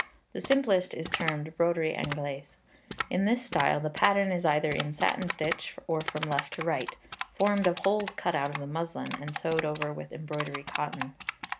The simplest is termed Broderie Anglaise. In this style, the pattern is either in satin stitch, or from left to right, formed of holes cut out of the muslin, and sewed over with embroidery cotton.